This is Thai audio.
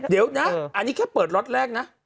เดี๋ยวนะอันนี้แค่เปิดล็อตแรกนะ